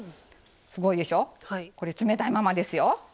すごいでしょこれ冷たいままですよ。